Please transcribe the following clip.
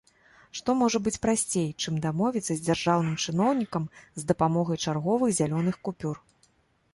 Што можа быць прасцей, чым дамовіцца з дзяжурным чыноўнікам з дапамогай чарговых зялёных купюр?